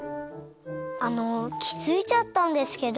あのきづいちゃったんですけど。